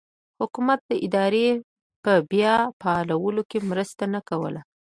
حکومتي ادارو په بیا فعالولو کې مرسته نه کوله.